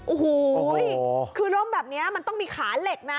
โอ้โหคือร่มแบบนี้มันต้องมีขาเหล็กนะ